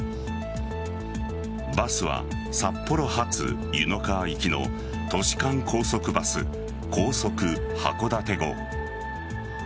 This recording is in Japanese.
バスは札幌発、湯の川行きの都市間高速バス高速はこだて号。